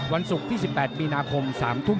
วันศุกร์ที่๑๘มีนาคม๓ทุ่ม